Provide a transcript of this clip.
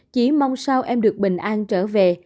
chỉ mong sao em được bình an trở về